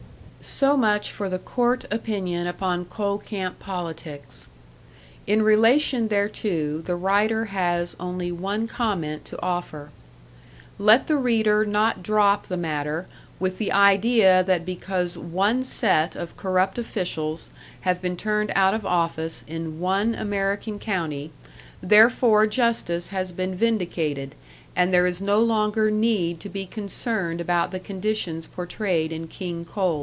So much for the court opinion upon coal camp politics. In relation thereto, the writer has only one comment to offer. Let the reader not drop the matter with the idea that because one set of corrupt officials have been turned out of office in one American county, therefore justice has been vindicated, and there is no longer need to be concerned about the conditions portrayed in "King Coal."